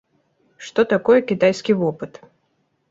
Што такое кітайскі вопыт?